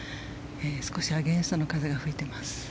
少しアゲンストの風が吹いています。